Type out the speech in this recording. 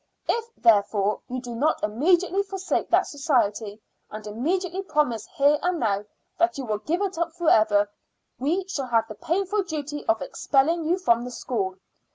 If, therefore, you do not immediately forsake that society, and immediately promise here and now that you will give it up forever, we shall have the painful duty of expelling you from the school.